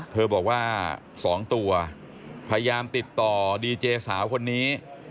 บอกว่า๒ตัวพยายามติดต่อดีเจสาวคนนี้